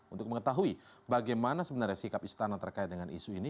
untuk mengetahui bagaimana sebenarnya sikap istana terkait dengan isu ini